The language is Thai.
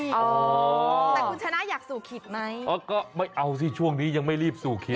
แต่คุณชนะอยากสู่ขิตไหมอ๋อก็ไม่เอาสิช่วงนี้ยังไม่รีบสู่ขิต